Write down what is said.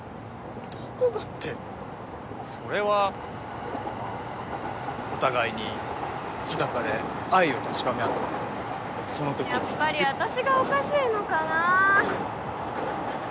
どこがってそれはお互いに裸で愛を確かめ合ってその時にやっぱり私がおかしいのかな？